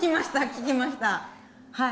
聞きましたはい。